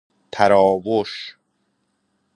تراوش